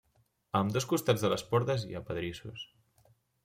A ambdós costats de les portes hi ha pedrissos.